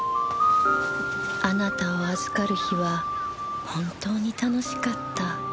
あなたを預かる日は本当に楽しかった。